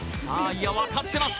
分かっています。